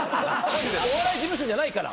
お笑い事務所じゃないから。